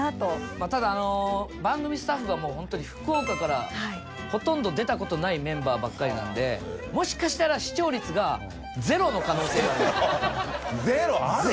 ただ番組スタッフが福岡からほとんど出たことないメンバーばっかりなんでもしかしたら視聴率がゼロの可能性があります。